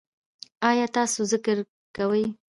ایا تاسو ذکر کوئ؟